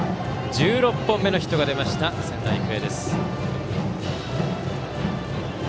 １６本目のヒットが出ました仙台育英です。